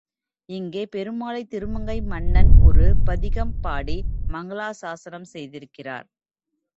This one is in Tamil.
இங்கே பெருமாளைத் திருமங்கை மன்னன் ஒரு பதிகம் பாடி மங்களாசாஸனம் செய்திருக்கிறார்.